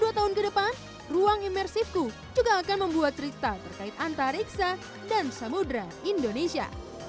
dua tahun ke depan ruang imersifku juga akan membuat cerita terkait antariksa dan samudera indonesia